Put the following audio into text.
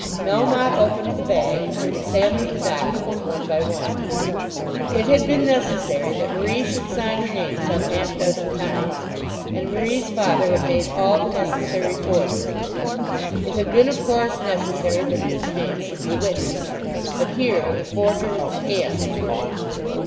Melmotte opened the bag, and examined the documents one by one. It had been necessary that Marie should sign her name some half dozen times, and Marie's father had made all the necessary forgeries. It had been of course necessary that each name should be witnessed; but here the forger had scamped his work.